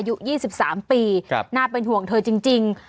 อายุยี่สิบสามปีครับน่าเป็นห่วงเธอจริงจริง